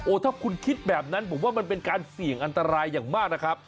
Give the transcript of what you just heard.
ถ้าคุณคิดแบบนั้นผมว่ามันเป็นการเสี่ยงอันตรายอย่างมากนะครับ